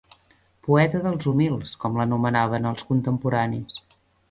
Poeta dels humils com l'anomenaven els contemporanis